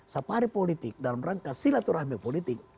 safari politik dalam rangka silaturahmi politik